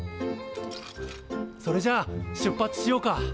それじゃ出発しようか。